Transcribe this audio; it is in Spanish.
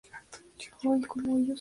La Roche-Vineuse